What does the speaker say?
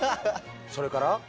それから？